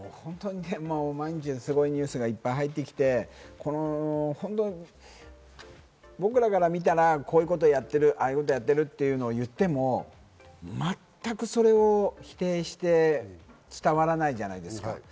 毎日すごいニュースがいっぱい入ってきて、僕らから見たら、こういうことやってる、ああいうことやってるというのを言っても全くそれを否定して伝わらないじゃないですか。